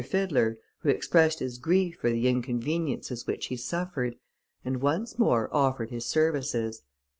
Fiddler, who expressed his grief for the inconveniences which he suffered, and once more offered his services.